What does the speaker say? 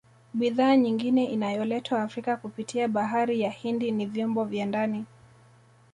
Bidhaa nyingine inayoletwa Afrika kupitia bahari ya Hindi ni vyombo vya ndani